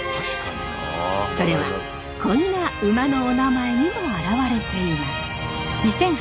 それはこんな馬のおなまえにも表れています。